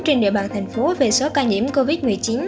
trên địa bàn thành phố về số ca nhiễm covid một mươi chín